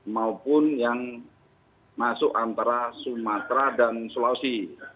maupun yang masuk antara sumatera dan sulawesi